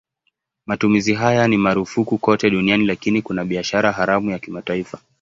Matumizi haya ni marufuku kote duniani lakini kuna biashara haramu ya kimataifa.